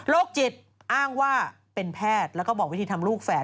จิตอ้างว่าเป็นแพทย์แล้วก็บอกวิธีทำลูกแฝด